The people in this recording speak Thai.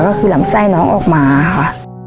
ก็คือลำไส้น้องออกมาค่ะ